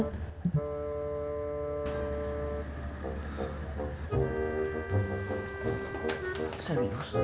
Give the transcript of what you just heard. kita di sini teg